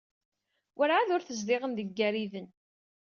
Werɛad ur tezdiɣem deg Igariden.